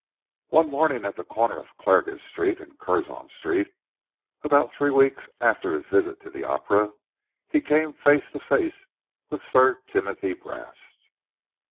One morning, at the corner of Clarges Street and Curzon Street, about three weeks after his visit to the Opera, he came face to face with Sir Timothy Brast.